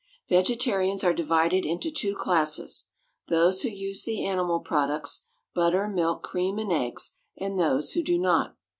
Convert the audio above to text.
Vegetarians are divided into two classes: those who use the animal products butter, milk, cream, and eggs and those who do not.